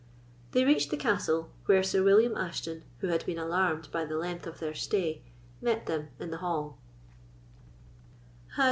They reached the castle, where Sir William Ashton, who had been alarmed by the length of their stay, met them in the hall.